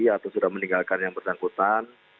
atau sudah meninggalkan yang bersangkutan